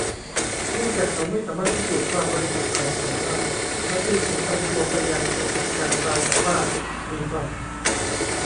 เนื่องจากเขาไม่สามารถพิสูจน์ความบริสุทธิ์ของเขาได้เขาจึงถูกนำตัวไปยังเขตกักกันราวกับว่ามีความผิด